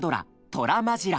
トラマジラ！」。